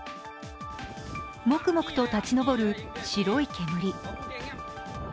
もくもくと立ち上る白い煙。